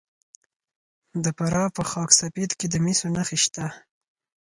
د فراه په خاک سفید کې د مسو نښې شته.